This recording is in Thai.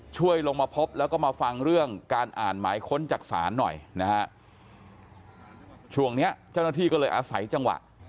ช่วยลงมาพบแล้วก็มาฟังเรื่องการอ่านหมายค้นจากศาลหน่อยนะฮะช่วงเนี้ยเจ้าหน้าที่ก็เลยอาศัยจังหวะ